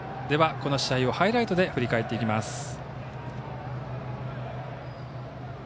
この試合をハイライトで振り返っていきます。